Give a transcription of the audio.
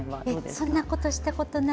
そんなことはしたことがない。